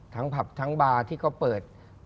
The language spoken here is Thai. ผับทั้งบาร์ที่เขาเปิด